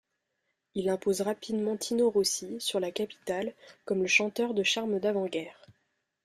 Il impose rapidement Tino Rossi sur la capitale comme le chanteur de charme d'avant-guerre.